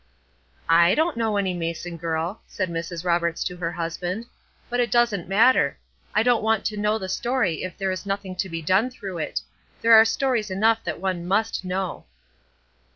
"I don't know any Mason girl," said Mrs. Roberts to her husband, "but it doesn't matter. I don't want to know the story if there is nothing to be done through it. There are stories enough that one must know."